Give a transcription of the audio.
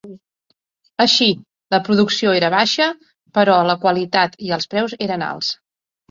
Així, la producció era baixa, però la qualitat i els preus eren alts.